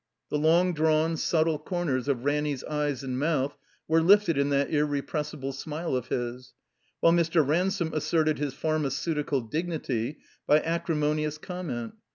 The long drawn, subtle comers of Ranny's eyes and mouth were lifted in that irrepressible smile of his, while Mr. Ransome asserted his pharmaceutical dignity by acrimonious comment.